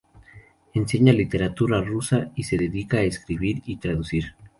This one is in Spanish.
Enseña literatura rusa y se dedica a escribir y traducir.